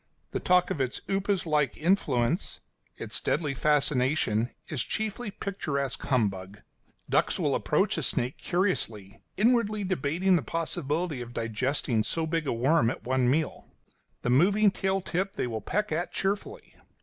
The talk of its upas like influence, its deadly fascination, is chiefly picturesque humbug. Ducks will approach a snake curiously, inwardly debating the possibility of digesting so big a worm at one meal; the moving tail tip they will peck at cheerfully.